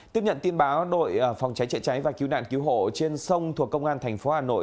tiếp nhận tin báo đội phòng cháy chữa cháy và cứu nạn cứu hộ trên sông thuộc công an thành phố hà nội